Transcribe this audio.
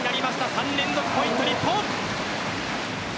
３連続ポイント、日本。